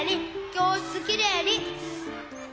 きょうしつきれいに。